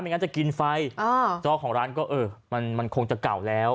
งั้นจะกินไฟเจ้าของร้านก็เออมันคงจะเก่าแล้ว